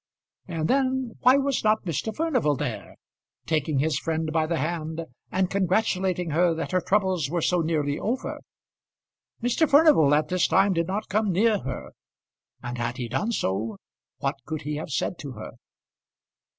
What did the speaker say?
And then why was not Mr. Furnival there, taking his friend by the hand and congratulating her that her troubles were so nearly over? Mr. Furnival at this time did not come near her; and had he done so, what could he have said to her?